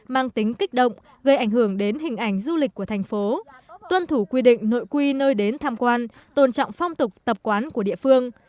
mang tính kích động gây ảnh hưởng đến hình ảnh du lịch của thành phố tuân thủ quy định nội quy nơi đến tham quan tôn trọng phong tục tập quán của địa phương